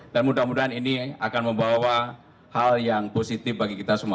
dan mudah mudahan ini akan membawa hal yang positif bagi kita semua